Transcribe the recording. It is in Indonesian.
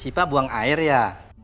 sipa buang air ya